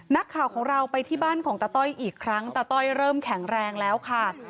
นักข่าวของเราไปที่บ้านของตาต้อยอีกครั้งตาต้อยเริ่มแข็งแรงแล้วค่ะ